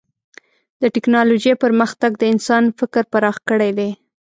د ټکنالوجۍ پرمختګ د انسان فکر پراخ کړی دی.